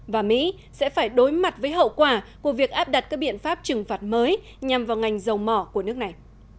và mỹ sẽ phải đối mặt với hậu quả của việc áp đặt các biện pháp trừng phạt mới nhằm vào ngành dầu mỏ của nước này